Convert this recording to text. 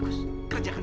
suruh bagian baru